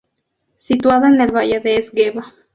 Situado en el valle del Esgueva.